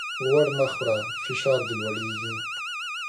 غوړ مه خوره ! فشار دي لوړېږي.